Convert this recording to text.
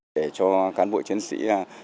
để cho cán bộ chiến sĩ